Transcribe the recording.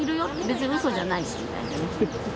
別にウソじゃないしみたいな。